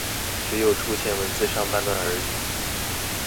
只有出現文字上半段而已